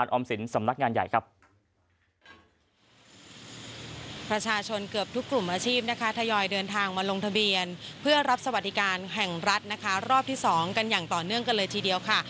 รับสวัสดิการแห่งรัฐนะคะรอบที่๒กันอย่างต่อเนื่องกันเลยทีเดียวค่ะ